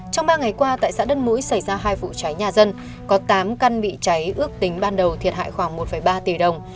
trong ba ngày qua tại xã đất mũi xảy ra hai vụ cháy nhà dân có tám căn bị cháy ước tính ban đầu thiệt hại khoảng một ba tỷ đồng